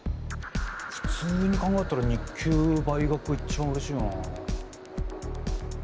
普通に考えたら日給倍額が一番うれしいよなあ。